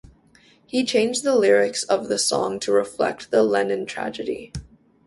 He changed the lyrics of the song to reflect the Lennon tragedy.